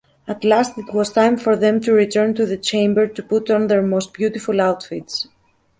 At last it was time for them to return to the chamber to put on their most beautiful outfits.